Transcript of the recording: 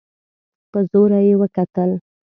په زوره يې وکتل.